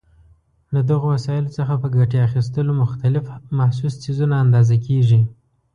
له دغو وسایلو څخه په ګټې اخیستلو مختلف محسوس څیزونه اندازه کېږي.